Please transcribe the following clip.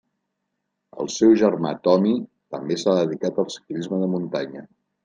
El seu germà Tomi també s'ha dedicat al ciclisme de muntanya.